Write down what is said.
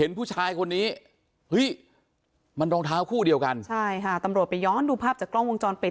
ผู้ชายคนนี้เฮ้ยมันรองเท้าคู่เดียวกันใช่ค่ะตำรวจไปย้อนดูภาพจากกล้องวงจรปิด